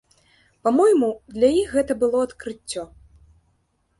Па-мойму, для іх гэта было адкрыццё.